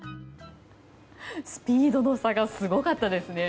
スピードの差がすごかったですね。